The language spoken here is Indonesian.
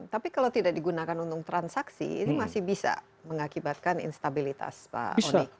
tapi kalau tidak digunakan untuk transaksi ini masih bisa mengakibatkan instabilitas pak oni